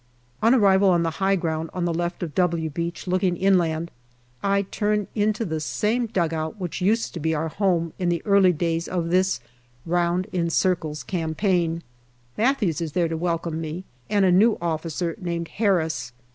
On arrival on the high ground on the left of " W " Beach looking inland, I turn into the same dugout which used to be our home in the early days of this " round in circles " campaign. Matthews is there to welcome me, and a new officer named Harris.